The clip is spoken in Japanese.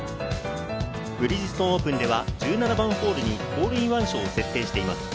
ブリヂストンオープンでは１７番ホールにホールインワン賞を設定しています。